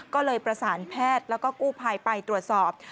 ก็เลยประสานแพทย์แล้วก็กู้ภัยไปตรวจสอบ